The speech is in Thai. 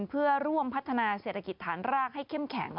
เพื่อร่วมพัฒนาเศรษฐกิจฐานรากให้เข้มแข็ง